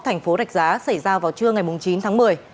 thành phố rạch giá xảy ra vào trưa ngày chín tháng một mươi